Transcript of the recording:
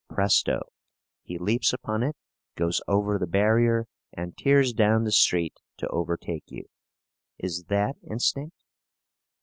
Presto! He leaps upon it, goes over the barrier, and tears down the street to overtake you. Is that instinct?